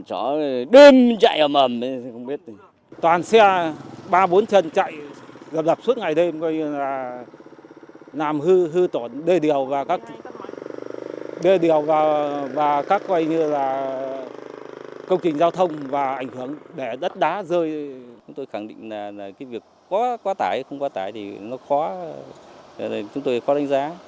chúng tôi khẳng định là việc có quá tải hay không quá tải thì chúng tôi khó đánh giá